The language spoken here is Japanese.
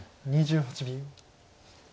２８秒。